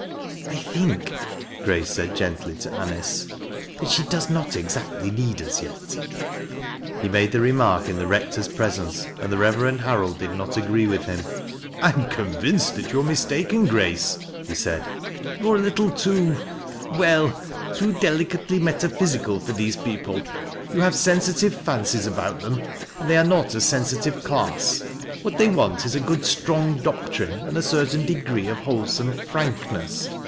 " I think," Grace said gently to Anice, " that she doC« aot exactly need us yet." He made the remark in the rectoi 's presence and the Reveieni Harold did not agree with him. "I am convinced that you are mistaken, Grace," he said. "Ton are a little too — well, too delicately meta TBB LAST BLOW 205 physical for these people. You have sensilive fancies about them, and they are not a sensitive class. "What they want is good strong doctrine, and a certain cegrefe of wkolesome frankness.